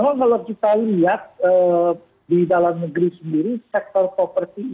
kalau kita lihat di dalam negeri sendiri sektor properti